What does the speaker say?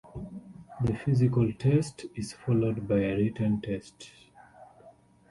The physical test is followed by a written test.